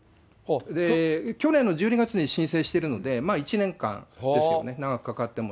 去年の１２月に申請してるので、１年間ですよね、長くかかっても。